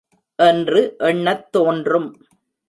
என்று எண்ணத் தோன்றும்.